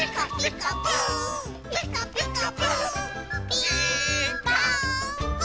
「ピーカーブ！」